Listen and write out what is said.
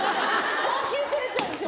本気で照れちゃうんですよ